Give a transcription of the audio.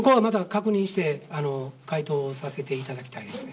そこはまた確認して回答させていただきたいです。